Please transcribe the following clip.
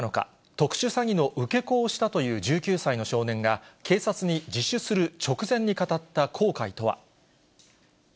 特殊詐欺の受け子をしたという１９歳の少年が、警察に自首する直前に語った後悔とは。